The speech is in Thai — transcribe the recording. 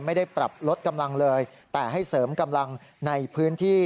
ไม่ได้ปรับลดกำลังเลยแต่ให้เสริมกำลังในพื้นที่